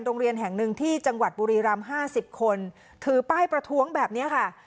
โรงเรียนแห่งหนึ่งที่จังหวัดบุรีรำห้าสิบคนถือป้ายประท้วงแบบนี้ค่ะ